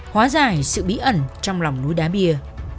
hóa giải sự bí ẩn trong lòng núi đá bia